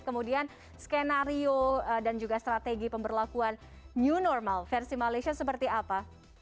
kemudian skenario dan juga strategi pemberlakuan new normal versi malaysia seperti apa